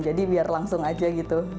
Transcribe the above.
jadi biar langsung aja gitu